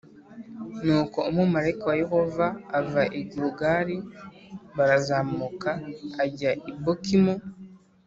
Nuko umumarayika wa Yehova a ava i Gilugali b arazamuka ajya i Bokimu